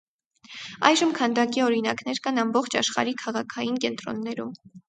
Այժմ քանդակի օրինակներ կան ամբողջ աշխարհի քաղաքային կենտրոններում։